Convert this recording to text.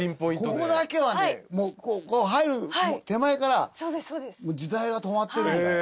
ここだけはねもうこう入る手前からもう時代が止まってるんだよ。